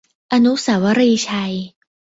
อนุสาวรีย์ชัย